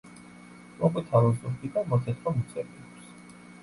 მოყვითალო ზურგი და მოთეთრო მუცელი აქვს.